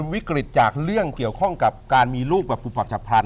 วิกฤตจากเรื่องเกี่ยวข้องกับการมีลูกแบบปุบปับฉับพลัน